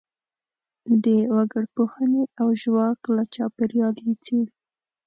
د وګړپوهنې او ژواک له چاپیریال یې څېړو.